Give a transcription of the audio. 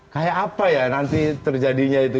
kayak apa ya nanti terjadinya itu